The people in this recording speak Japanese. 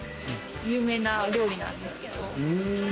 有名な料理なんですけど。